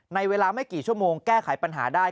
ในเวลาไม่กี่ชั่วโมงแก้ไขปัญหาได้